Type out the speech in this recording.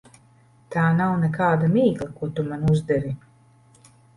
Tā nav nekāda mīkla, ko tu man uzdevi.